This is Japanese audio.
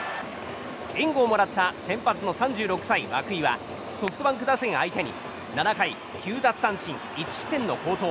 援護をもらった先発の３６歳、涌井はソフトバンク打線相手に７回９奪三振１失点の好投。